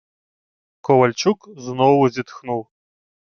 Ковальчук знову зітхнув.